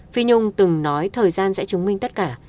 phi nhung từng nói thời gian sẽ chứng minh tất cả